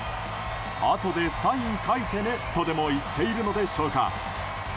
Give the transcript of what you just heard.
あとでサイン書いてねとでも言ってるのでしょうか。